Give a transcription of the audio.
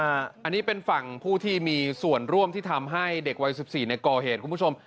อันนี้เป็นฝั่งผู้ที่มีส่วนร่วมที่ทำให้เด็กวัย๑๔ก่อเหตุคุณผู้ชม